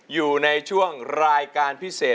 อยู่ในช่วงรายการพิเศษ